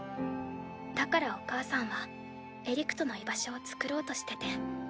だからお母さんはエリクトの居場所を作ろうとしてて。